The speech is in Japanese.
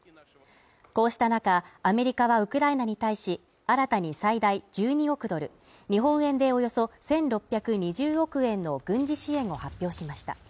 こうした中、アメリカはウクライナに対し、新たに最大１２億ドル、日本円でおよそ１６２０億円の軍事支援を発表しました。